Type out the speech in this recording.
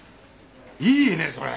いいねそれ。